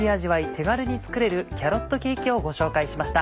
手軽に作れる「キャロットケーキ」をご紹介しました。